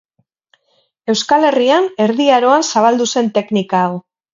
Euskal Herrian, Erdi Aroan zabaldu zen teknika hau.